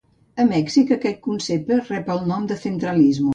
A Mèxic aquest concepte rep el nom de "centralismo".